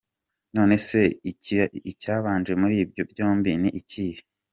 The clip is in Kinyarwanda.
None se icyabanje muri ibyo byombi ni ikihe?